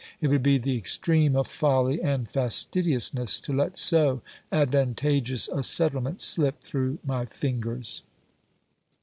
It would be the extreme of folly and fastidiousness to let so advantageous a settlement slip through my fingers.